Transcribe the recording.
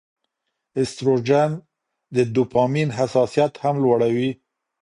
ایسټروجن د ډوپامین حساسیت هم لوړوي.